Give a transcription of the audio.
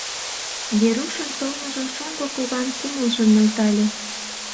Верушын толмыжо шоҥго куван кумылжым нӧлтале.